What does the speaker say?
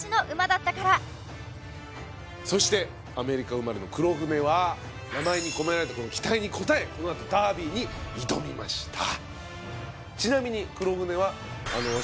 そしてアメリカ生まれのクロフネは名前に込められた期待に応えこのあとダービーに挑みました